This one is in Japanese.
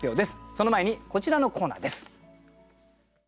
その前にこちらのコーナーです。